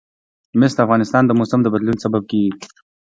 مس د افغانستان د موسم د بدلون سبب کېږي.